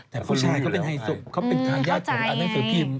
แต่ผู้ชายเขาเป็นทายญาติของอันนั้นสือพิมพ์